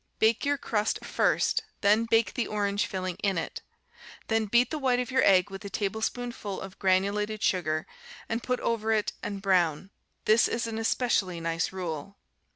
Bake your crust first; then bake the orange filling in it; then beat the white of your egg with a tablespoonful of granulated sugar, and put over it and brown. This is an especially nice rule.